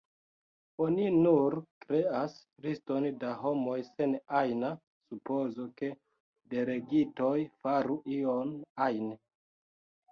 Oni nur kreas liston da homoj sen ajna supozo, ke delegitoj faru ion ajn.